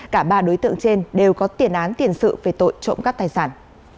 cả ba đối tượng trên đều có tiền án tiền sự về tội trộm cắp tài sản